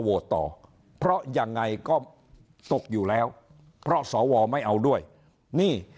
ต่อเพราะยังไงก็ตกอยู่แล้วเพราะสวไม่เอาด้วยนี่